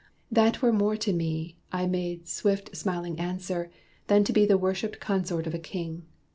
'That were more to me,' I made swift smiling answer, 'than to be The worshiped consort of a king.'